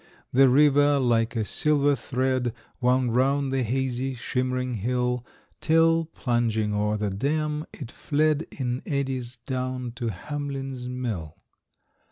The river, like a silver thread, Wound round the hazy, shimmering hill, Till, plunging o'er the dam, it fled In eddies down to Hamlin's Mill.